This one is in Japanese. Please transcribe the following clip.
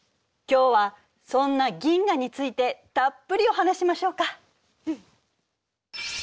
今日はそんな銀河についてたっぷりお話ししましょうか。